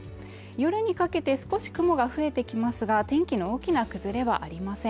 夜にかけて少し雲が増えてきますが天気の大きな崩れはありません